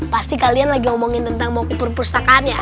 pasti kalian lagi ngomongin tentang perpustakaan ya